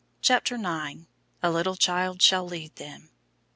CHAPTER IX. "A LITTLE CHILD SHALL LEAD THEM."